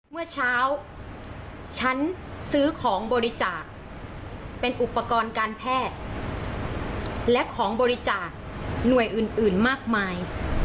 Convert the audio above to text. เมื่อเช้าฉันซื้อของบริจาคเป็นอุปกรณ์การแพทย์และของบริจาคหน่วยอื่นมากมาย